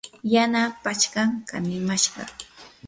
yana pachkam kanimashqa.